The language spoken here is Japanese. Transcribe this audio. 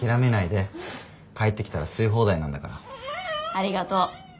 ありがとう。